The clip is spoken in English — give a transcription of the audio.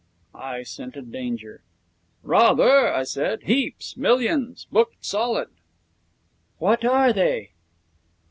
I scented danger. 'Rather,' I said. 'Heaps! Millions! Booked solid!' 'What are they?'